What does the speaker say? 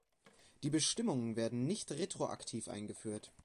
Die Bestimmungen werden nicht retroaktiv eingeführt.